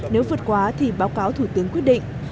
nếu vượt quá thì báo cáo thủ tướng quyết định